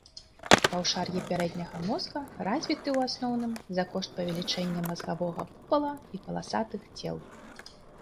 Паўшар'і пярэдняга мозга развіты, у асноўным за кошт павелічэння мазгавога купала і паласатых цел.